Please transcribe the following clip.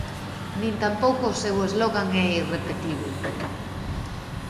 Nin tampouco o seu slogan é irrepetíbel.